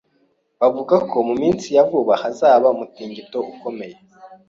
Bavuga ko mu minsi ya vuba hazaba umutingito ukomeye.